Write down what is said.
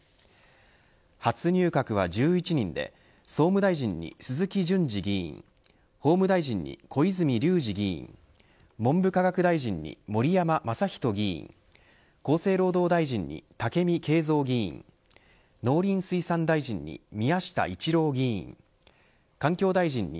初入閣は１１人で総務大臣に鈴木淳司議員法務大臣に小泉龍司議員文部科学大臣に盛山正仁議員厚生労働大臣に武見敬三議員農林水産大臣に宮下一郎議員環境大臣に